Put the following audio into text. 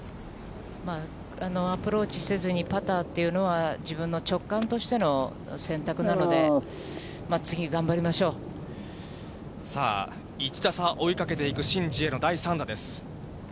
アプローチせずにパターっていうのは、自分の直感としての選択なので、次、さあ、１打差追いかけていくシン・ジエの第３打です。